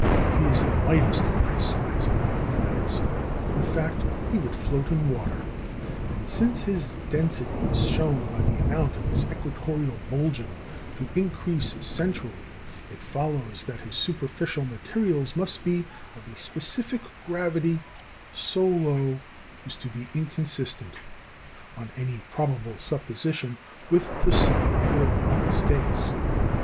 He is the lightest for his size of all the planets. In fact, he would float in water. And since his density is shown, by the amount of his equatorial bulging, to increase centrally, it follows that his superficial materials must be of a specific gravity so low as to be inconsistent, on any probable supposition, with the solid or liquid states.